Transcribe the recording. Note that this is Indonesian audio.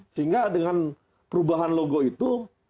sehingga dengan perubahan logo itu